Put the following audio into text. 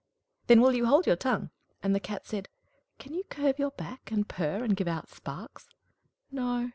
"Then will you hold your tongue!" And the Cat said, "Can you curve your back, and purr, and give out sparks?" "No."